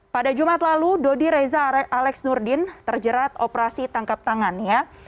pada jumat lalu dodi reza alex nurdin terjerat operasi tangkap tangan ya